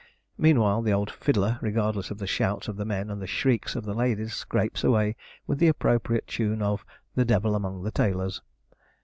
Meanwhile, the old fiddler, regardless of the shouts of the men and the shrieks of the ladies, scrapes away with the appropriate tune of 'The Devil among the Tailors!'